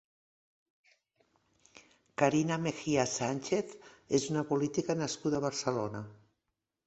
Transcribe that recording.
Carina Mejías Sánchez és una política nascuda a Barcelona.